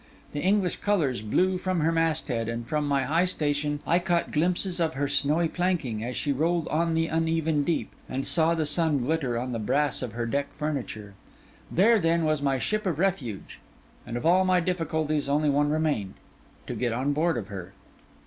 The English colours blew from her masthead; and from my high station, I caught glimpses of her snowy planking, as she rolled on the uneven deep, and saw the sun glitter on the brass of her deck furniture. There, then, was my ship of refuge; and of all my difficulties only one remained: to get on board of her.